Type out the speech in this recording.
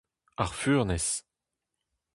Ar furnez